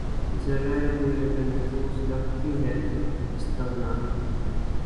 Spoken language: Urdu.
زرہ کوئی اگر محفوظ رکھتی ہے تو استغنا